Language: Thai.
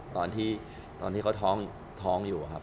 ตอนที่เขาท้องอยู่ครับ